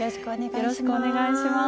よろしくお願いします。